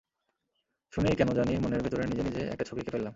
শুনেই কেন জানি মনের ভেতরে নিজে নিজে একটা ছবি এঁকে ফেললাম।